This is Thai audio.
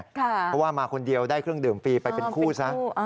เพราะว่ามาคนเดียวได้เครื่องดื่มฟรีไปเป็นคู่ซะ